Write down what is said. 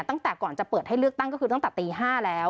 ตั้งแต่ก่อนจะเปิดให้เลือกตั้งก็คือตั้งแต่ตี๕แล้ว